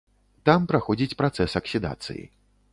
Там праходзіць працэс аксідацыі.